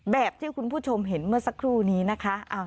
แบบที่คุณผู้ชมเห็นเมื่อสักครู่นี้นะคะ